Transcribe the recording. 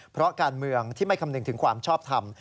เพราะการเมืองที่ไม่คำนึงถึงความชอบทำ